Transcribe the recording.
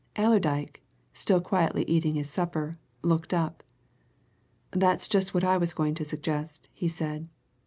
Allerdyke, still quietly eating his supper, looked up. "That's just what I was going to suggest," he said.